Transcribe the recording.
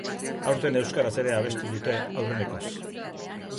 Aurten euskaraz ere abestu dute aurrenekoz.